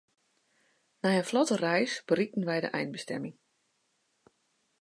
Nei in flotte reis berikten wy de einbestimming.